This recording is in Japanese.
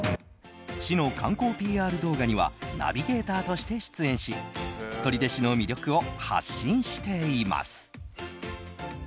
市の観光ＰＲ動画にはナビゲーターとして出演し取手市の魅力を発信しています。